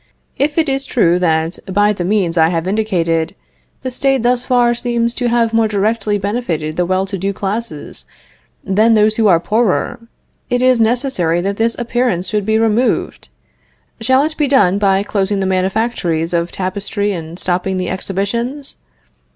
If it is true that, by the means I have indicated, the State thus far seems to have more directly benefited the well to do classes than those who are poorer, it is necessary that this appearance should be removed. Shall it be done by closing the manufactories of tapestry and stopping the exhibitions?